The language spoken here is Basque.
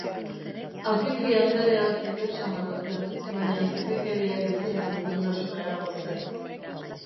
Afifi anderea zeken samarra zen, baina zekenkeriak ez zion zoriontasuna eragozten.